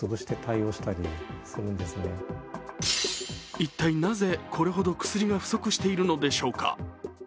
一体なぜこれほど薬が不足しているのでしょうか。